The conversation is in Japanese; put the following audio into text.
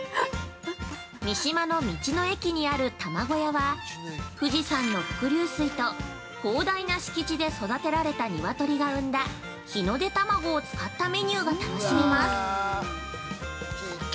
◆三島の道の駅にあるＴＡＭＡＧＯＹＡは富士山の伏流水と広大な敷地で育てられた鶏が産んだ日の出卵を使ったメニューが楽しめます。